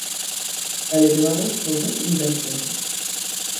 Але беларусаў гэта не бянтэжыць.